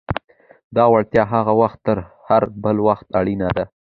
دا وړتیا هغه وخت تر هر بل وخت اړینه ده.